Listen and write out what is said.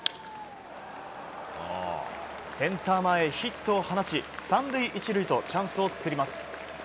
センター前ヒットを放ち３塁１塁とチャンスを作ります。